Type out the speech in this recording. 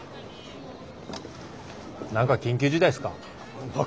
何か緊急事態っすか？